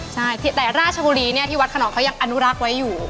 ใช่แต่ราชบุรีเนี่ยที่วัดขนองเขายังอนุรักษ์ไว้อยู่